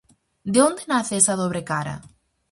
De onde nace esa dobre cara?